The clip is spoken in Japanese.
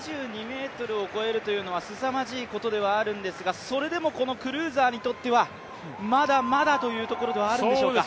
２２ｍを越えるというのはすさまじいことではあるんですがそれでもこのクルーザーにとってはまだまだというところではあるんでしょうか。